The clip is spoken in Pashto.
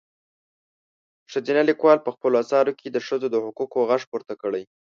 ښځينه لیکوالو په خپلو اثارو کې د ښځو د حقونو غږ پورته کړی.